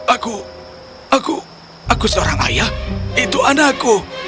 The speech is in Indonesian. aku aku seorang ayah itu anakku